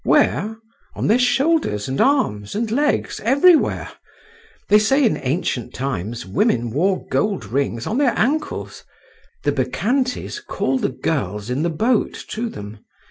"Where? on their shoulders and arms and legs—everywhere. They say in ancient times women wore gold rings on their ankles. The Bacchantes call the girls in the boat to them.